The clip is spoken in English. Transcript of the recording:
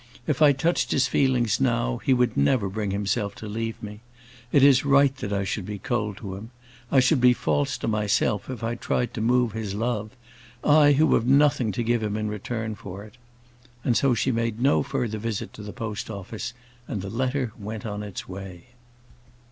"If I touched his feelings now, he would never bring himself to leave me. It is right that I should be cold to him. I should be false to myself if I tried to move his love I, who have nothing to give him in return for it." And so she made no further visit to the post office, and the letter went on its way.